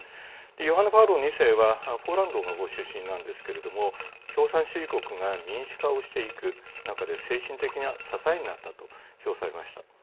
ヨハネ・パウロ２世はポーランド出身なんですが共産主義国が民主化をしていく中で精神的な支えになったと評されました。